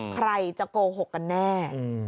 ใครจะโกหกกันแน่